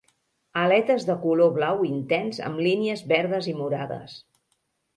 Aletes de color blau intens amb línies verdes i morades.